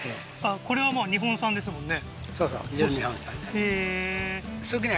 これは日本産ですもんね